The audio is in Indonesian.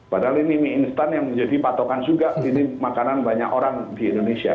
padahal ini mie instan yang menjadi patokan juga ini makanan banyak orang di indonesia